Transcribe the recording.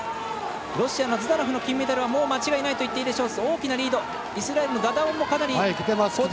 ロシアのズダノフの金メダルは間違いないといっていいでしょう。